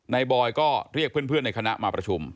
บอยก็เรียกเพื่อนในคณะมาประชุม